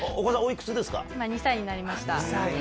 今２歳になりました。